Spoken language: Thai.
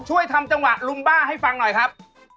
ช่วยทำจังหวะลุงบ้าให้ฟังหน่อยครับ